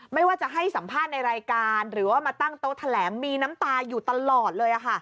ไม่ว่าจะให้สัมภาษณ์ในรายการหรือว่ามาตั้งโต๊ะแถลงมีน้ำตาอยู่ตลอดเลย